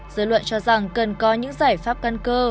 giới luận cho rằng cần có những giải pháp căn cơ